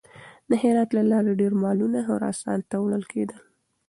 د هرات له لارې ډېر مالونه خراسان ته وړل کېدل.